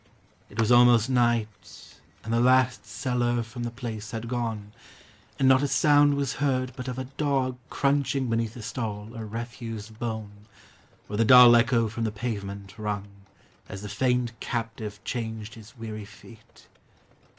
It was almost night, And the last seller from the place had gone, And not a sound was heard but of a dog Crunching beneath the stall a refuse bone, Or the dull echo from the pavement rung, As the faint captive changed his weary feet.